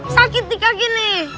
sakit di kaki nih